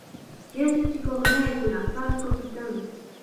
Yachachikuqniikunaqa Pascopitam.